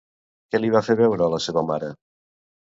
Què li fa veure a la seva mare?